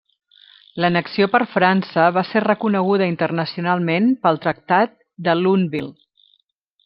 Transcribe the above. L'annexió per França va ser reconeguda internacionalment pel Tractat de Lunéville.